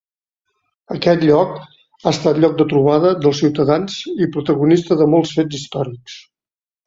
Aquest lloc ha estat lloc de trobada dels ciutadans i protagonista de molts fets històrics.